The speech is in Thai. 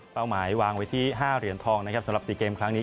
หมายวางไว้ที่๕เหรียญทองนะครับสำหรับ๔เกมครั้งนี้